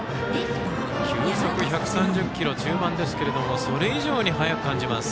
球速１３０キロ中盤ですがそれ以上に速く感じます。